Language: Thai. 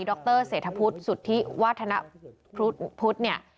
รเศรษฐพุทธสุทธิวัฒนพุทธเนี่ย